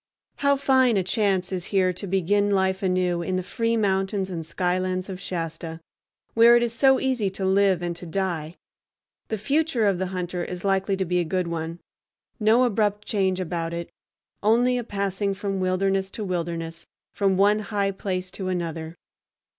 How fine a chance is here to begin life anew in the free fountains and skylands of Shasta, where it is so easy to live and to die! The future of the hunter is likely to be a good one; no abrupt change about it, only a passing from wilderness to wilderness, from one high place to another.